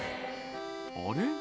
「あれ？